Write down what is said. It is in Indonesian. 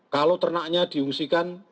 kalau ternaknya diungsikan